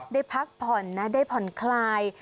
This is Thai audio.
ได้พักผ่อนนะได้ผ่อนคลาย